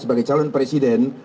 sebagai calon presiden